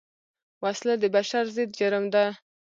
وسله د بشر ضد جرم ده